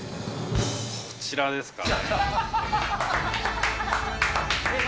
こちらですかね。